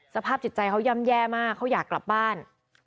สภาพจิตใจเขาย่ำแย่มากเขาอยากกลับบ้าน